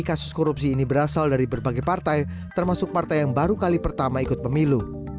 kasus korupsi ini berasal dari berbagai partai termasuk partai yang baru kali pertama ikut pemilu